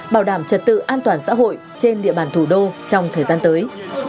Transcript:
bảo đảm trật tự an toàn xã hội trên địa bàn thủ đô trong thời gian tới